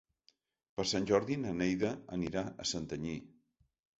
Per Sant Jordi na Neida anirà a Santanyí.